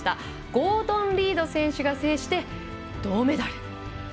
ゴードン・リード選手が制して銅メダル。